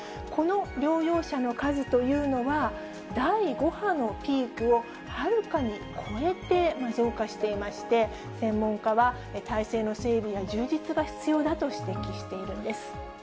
この療養者の数というのは、第５波のピークをはるかに越えて増加していまして、専門家は、体制の整備や充実が必要だと指摘しているんです。